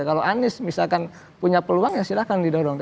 kalau anies misalkan punya peluang ya silahkan didorong